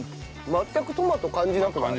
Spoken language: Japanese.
全くトマト感じなくない？